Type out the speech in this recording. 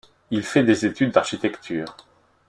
Il fait des études d'architecture.